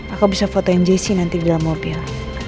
aku bisa fotoin jessi nanti di dalam mobil